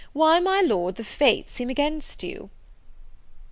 why, my Lord, the Fates seem against you."